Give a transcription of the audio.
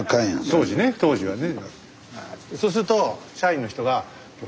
当時ね当時はね。